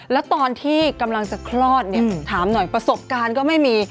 แล้วตอนที่กำลังจะคลอดเนี่ยถามหน่อยประสบการณ์ก็ไม่มี